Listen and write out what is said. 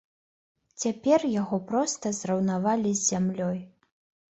Цяпер яго проста зраўнавалі з зямлёй.